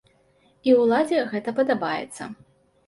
І ўладзе гэта падабаецца.